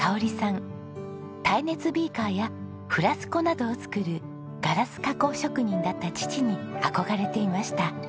耐熱ビーカーやフラスコなどを作るガラス加工職人だった父に憧れていました。